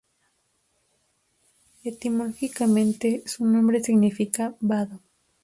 Etimológicamente, su nombre significa "vado".